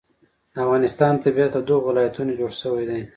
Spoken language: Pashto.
د افغانستان طبیعت له دغو ولایتونو جوړ شوی دی.